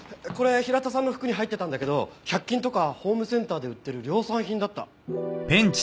これ平田さんの服に入ってたんだけど百均とかホームセンターで売ってる量産品だった。